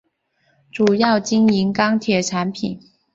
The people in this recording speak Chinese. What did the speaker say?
主要经营钢铁产品。